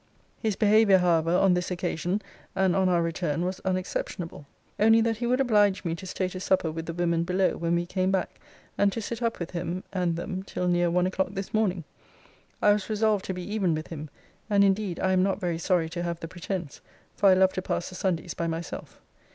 His behaviour, however, on this occasion, and on our return, was unexceptionable; only that he would oblige me to stay to supper with the women below, when we came back, and to sit up with him and them till near one o'clock this morning. I was resolved to be even with him; and indeed I am not very sorry to have the pretence; for I love to pass the Sundays by myself.